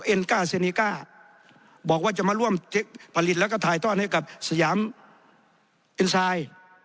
ก้าเซเนก้าบอกว่าจะมาร่วมผลิตแล้วก็ถ่ายทอดให้กับสยามเอ็นไซด์